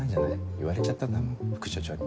言われちゃったんだもん副署長に。